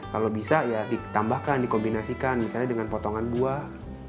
kalau bisa ya ditambahkan dikombinasikan misalnya dengan potongan buah